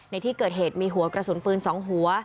ในที่เกิดเหตุมีหัวกระสุนปืน๒หัว